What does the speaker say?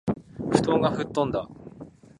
布団がふっとんだ